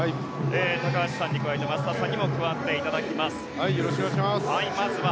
高橋さんに加えて松田さんにも加わっていただきます。